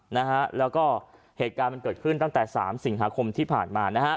นะฮะแล้วก็เหตุการณ์มันเกิดขึ้นตั้งแต่สามสิงหาคมที่ผ่านมานะฮะ